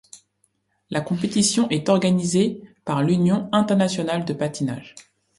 La compétition est organisée par l'Union internationale de patinage.